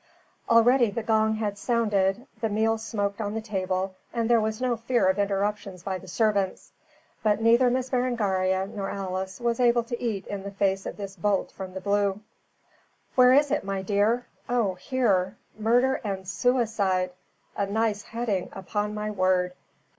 Already the gong had sounded, the meal smoked on the table, and there was no fear of interruptions by the servants. But neither Miss Berengaria nor Alice was able to eat in the face of this bolt from the blue. "Where is it, my dear? oh, here! Murder and Suicide. A nice heading, upon my word.